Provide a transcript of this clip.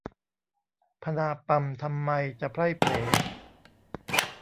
พนาปำทำไมจะไพล่เผล